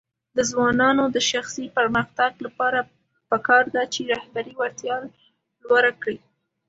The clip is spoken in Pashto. د ځوانانو د شخصي پرمختګ لپاره پکار ده چې رهبري وړتیا لوړه کړي.